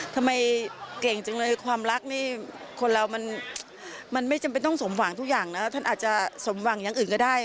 ทำไมเก่งจังเลยความรักนี่คนเรามันไม่จำเป็นต้องสมหวังทุกอย่างนะท่านอาจจะสมหวังอย่างอื่นก็ได้